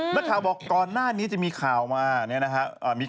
นักข่าวบอกก่อนหน้านี้จะมีข่าวมาเนี่ยนะครับ